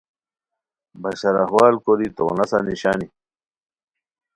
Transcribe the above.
بشاراحوال کوری تو نسہ نیشانی